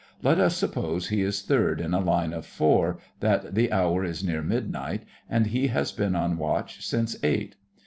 Let us suppose he is third in a line of four, that the hour is near midnight, and he has been on watch since eight.